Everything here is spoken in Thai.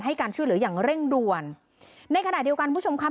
การช่วยเหลืออย่างเร่งด่วนในขณะเดียวกันคุณผู้ชมครับ